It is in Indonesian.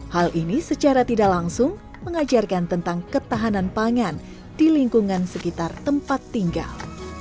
hal ini secara tidak langsung mengajarkan tentang ketahanan pangan di lingkungan sekitar tempat tinggal